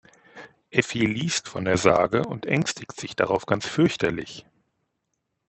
Effi liest von der Sage und ängstigt sich darauf ganz fürchterlich.